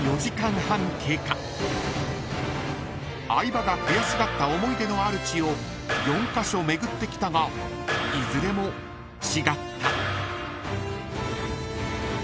［相葉が悔しがった思い出のある地を４カ所巡ってきたがいずれも違った］